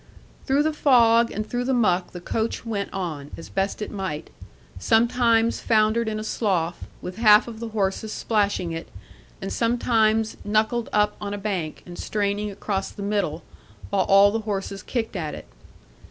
'Through the fog and through the muck the coach went on, as best it might; sometimes foundered in a slough, with half of the horses splashing it, and some times knuckled up on a bank, and straining across the middle, while all the horses kicked at it.